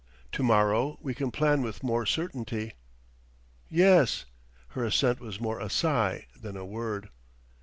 To morrow we can plan with more certainty." "Yes..." Her assent was more a sigh than a word.